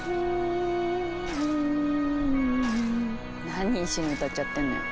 なに一緒に歌っちゃってんのよ。